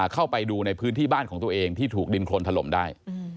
เข้าไปดูในพื้นที่บ้านของตัวเองที่ถูกดินโครนถล่มได้